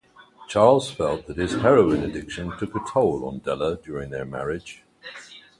Charles felt that his heroin addiction took a toll on Della during their marriage.